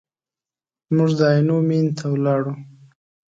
موږ د عینو مینې ته ولاړو.